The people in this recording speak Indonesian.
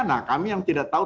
nah kami yang tidak tahu